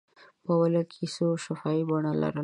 په اوله کې کیسو شفاهي بڼه لرله.